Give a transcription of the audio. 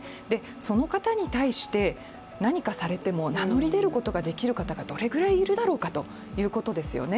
その方に対して、何かされても名乗り出ることができる方々がどれぐらいいるだろうかということですよね。